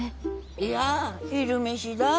いや昼飯だ。